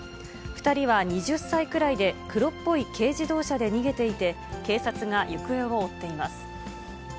２人は２０歳くらいで、黒っぽい軽自動車で逃げていて、警察が行方を追っています。